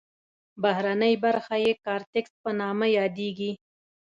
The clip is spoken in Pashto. بهرنۍ برخه یې کارتکس په نامه یادیږي.